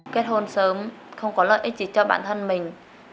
kết hôn sớm không có lợi ích gì cho bản thân mình